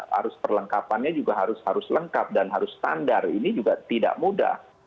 harus perlengkapannya juga harus lengkap dan harus standar ini juga tidak mudah